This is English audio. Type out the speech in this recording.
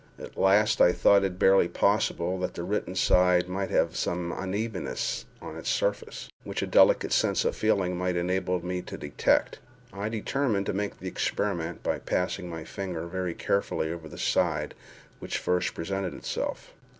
At last I thought it barely possible that the written side might have some unevenness on its surface, which a delicate sense of feeling might enable me to detect. I determined to make the experiment and passed my finger very carefully over the side which first presented itself.